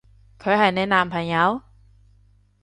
佢係你男朋友？